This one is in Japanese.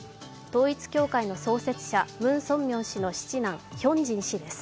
統一教会の創設者、ムン・ソンミョン氏の七男・ソンミョン氏です。